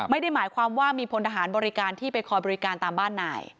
ไม่ได้หมายความว่ามีพลทหารบริการที่ไปคอยบริการตามบ้านนาย